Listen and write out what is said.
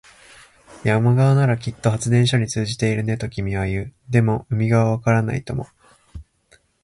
山側ならきっと発電所に通じているね、と君は言う。でも、海側はわからないとも。